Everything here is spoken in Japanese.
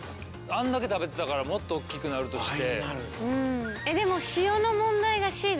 あんだけ食べてたからもっと大きくなるとして。